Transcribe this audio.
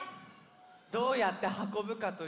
どうやってはこぶかというと。